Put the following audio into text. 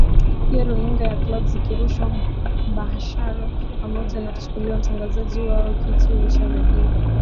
pia runinga ya clouds ikirusha mubashara Pamoja na kuchukuliwa mtangazaji wao kituo cha redio